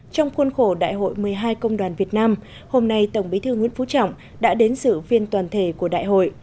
trong khuôn khổ đại hội một mươi hai công đoàn việt nam hôm nay tổng bí thư nguyễn phú trọng đã đến sự viên toàn thể của đại hội